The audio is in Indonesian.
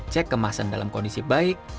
cek kemasan dalam kondisi baik